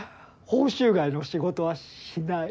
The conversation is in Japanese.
報酬外の仕事はしない。